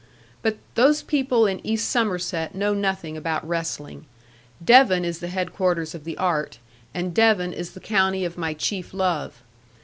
But those people in East Somerset know nothing about wrestling. Devon is the headquarters of the art; and Devon is the county of my chief love.